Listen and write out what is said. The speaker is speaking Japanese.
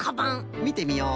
みてみよう。